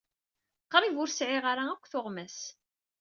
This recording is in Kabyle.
Qrib ur yesɛi ara akk tuɣmas.